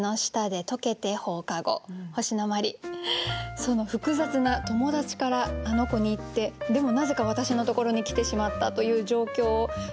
その複雑な友達からあの子に行ってでもなぜか私のところに来てしまったという状況を表してみました。